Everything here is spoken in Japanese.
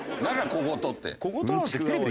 小言って。